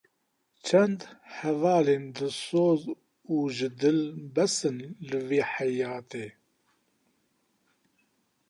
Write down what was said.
Çend hevalên dilsoz û jidil bes in li vê heyatê